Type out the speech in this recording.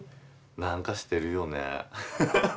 何かしてるよね